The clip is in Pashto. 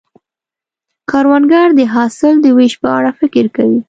کروندګر د حاصل د ویش په اړه فکر کوي